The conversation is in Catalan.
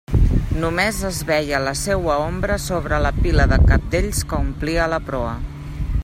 Només es veia la seua ombra sobre la pila de cabdells que omplia la proa.